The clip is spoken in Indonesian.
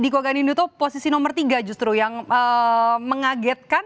diko ganinduto posisi nomor tiga justru yang mengagetkan